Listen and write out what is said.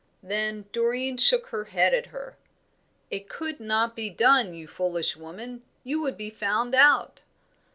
Then Doreen shook her head at her. "It could not be done, you foolish woman. You would be found out."